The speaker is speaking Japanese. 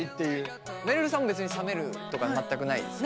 めるるさんも別に冷めるとか全くないですか？